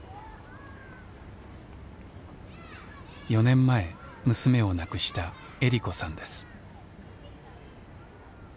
４年前娘を亡くした恵利子さんです。